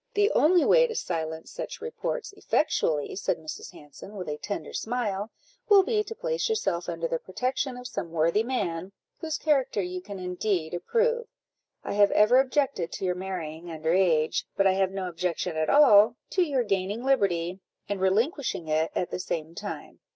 "The only way to silence such reports effectually," said Mrs. Hanson, with a tender smile, "will be to place yourself under the protection of some worthy man, whose character you can indeed approve. I have ever objected to your marrying under age, but I have no objection at all to your gaining liberty, and relinquishing it at the same time.